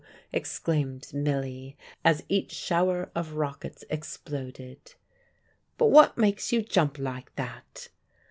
exclaimed Milly, as each shower of rockets exploded. "But what makes you jump like that?"